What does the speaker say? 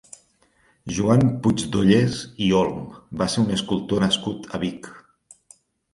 Joan Puigdollers i Olm va ser un escultor nascut a Vic.